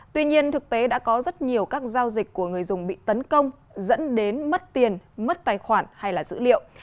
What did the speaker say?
tuy nhiên thực tế đã có rất nhiều các giao dịch của người dùng bị tấn công dẫn đến mất tiền mất tài khoản hay là dữ liệu